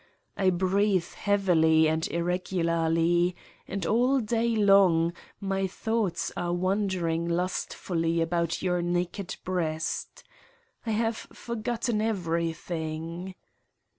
I breathe heavily and irregularly, and all day long my thoughts are wandering lustfully about your naked breast. I have forgotten everything.